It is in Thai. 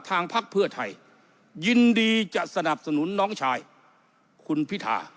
พักเพื่อไทยยินดีจะสนับสนุนน้องชายคุณพิธา